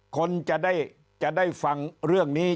คนจะได้ฟังเรื่องนี้